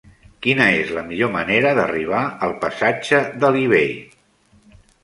Quina és la millor manera d'arribar al passatge d'Alí Bei?